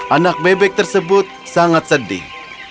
anak bebek tersebut sangat sedih